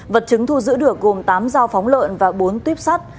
vật chứng thu giữ được gồm tám dao phóng lợn và bốn tuyếp sắt